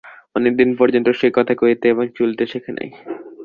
অনেকদিন পর্যন্ত সে কথা কহিতে এবং চলিতে শেখে নাই।